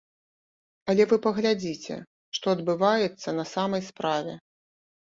Але вы паглядзіце, што адбываецца на самай справе.